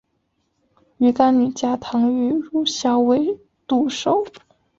鱼干女嫁唐御侮校尉杜守。